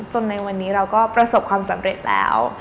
ในวันนี้เราก็ประสบความสำเร็จแล้ว